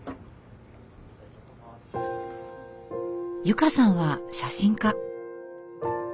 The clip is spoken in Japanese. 由佳さんは写真家。